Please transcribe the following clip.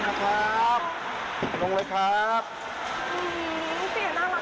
พี่น่ารักขนาดนั้นนะคะ